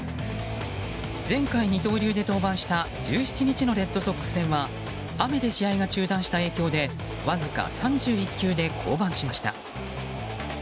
前回、二刀流で登板した１７日のレッドソックス戦は雨で試合が中断した影響でわずか３１球で降板しました。